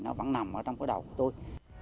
nó vẫn nằm trong cái đầu của tôi